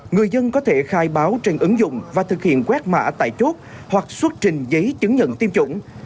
người dân có thể khai báo trên ứng dụng và thực hiện quét mã tại chốt hoặc xuất trình giấy chứng nhận tiêm chủng